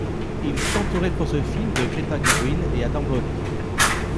Il s'est entouré pour ce film de Greta Gerwig et Adam Brody.